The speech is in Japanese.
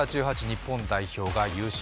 日本代表が優勝。